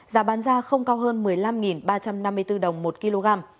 giá bán ra không cao hơn một mươi năm ba trăm năm mươi bốn đồng một kg